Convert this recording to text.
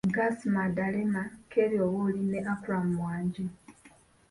Gasi Madalema, Kerry Owori ne Akram Mwanje.